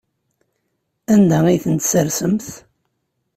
Anda ay ten-tessersemt?